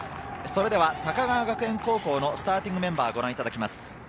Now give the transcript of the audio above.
それでは高川学園高校のスターティングメンバーをご覧いただきます。